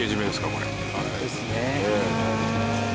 これ。ですね。